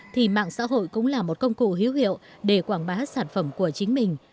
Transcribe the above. thì mạng xã hội cũng là một công cụ hữu hiệu để quảng bá sản phẩm của chính mình